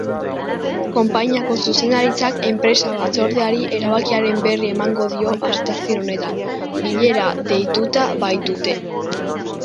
Konpainiako zuzendaritzak enpresa-batzordeari erabakiaren berri emango dio asteazken honetan, bilera deituta baitute.